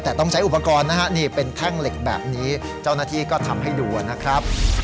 แต่ต้องใช้อุปกรณ์นะฮะนี่เป็นแท่งเหล็กแบบนี้เจ้าหน้าที่ก็ทำให้ดูนะครับ